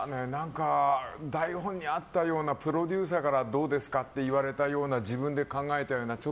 台本にあったようなプロデューサーからどうですかって言われたような自分で考えたような。